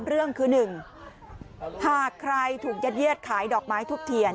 เรื่องคือ๑หากใครถูกยัดเยียดขายดอกไม้ทุบเทียน